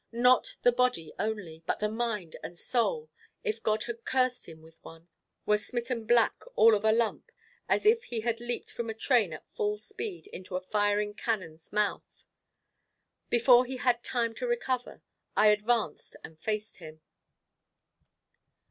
Not the body only, but the mind and soul if God had cursed him with one were smitten back all of a lump, as if he had leaped from a train at full speed into a firing cannon's mouth. Before he had time to recover, I advanced and faced him.